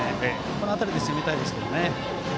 この辺りで攻めたいですね。